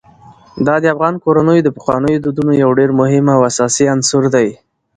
دا د افغان کورنیو د پخوانیو دودونو یو ډېر مهم او اساسي عنصر دی.